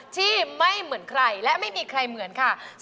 ที่ไม่เหมือนใครและไม่มีใครเหมือนค่ะ